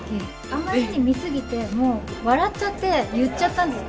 あまりに見過ぎて、もう笑っちゃって、言っちゃったんです。